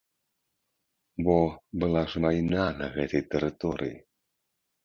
Бо была ж вайна на гэтай тэрыторыі.